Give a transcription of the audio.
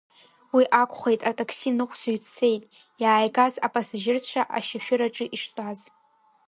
Уи акәхеит атакси ныҟәцаҩ дцеит, иааигаз апасажьырцәа ашьашәыр аҿы иштәаз.